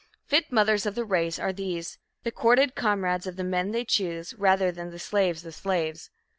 Fit mothers of the race are these, the courted comrades of the men they choose, rather than the "slaves of slaves."